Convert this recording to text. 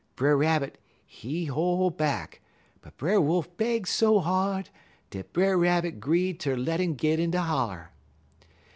Brer Rabbit, he hol' back, but Brer Wolf beg so hard dat Brer Rabbit 'gree ter let 'im git in de holler.